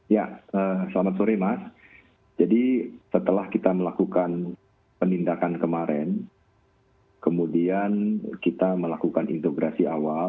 ya selamat sore mas jadi setelah kita melakukan penindakan kemarin kemudian kita melakukan integrasi awal